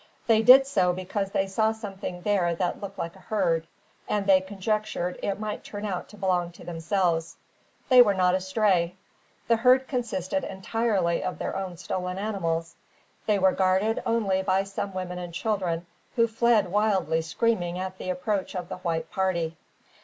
They did so because they saw something there that looked like a herd; and they conjectured it might turn out to belong to themselves. They were not astray. The herd consisted entirely of their own stolen animals. They were guarded only by some women and children, who fled wildly screaming at the approach of the white party.